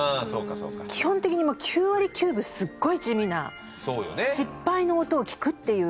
基本的に９割９分すっごい地味な失敗の音を聴くっていう動作だから。